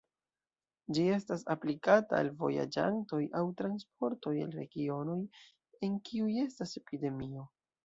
Ĝi estas aplikata al vojaĝantoj aŭ transportoj el regionoj, en kiuj estas epidemio.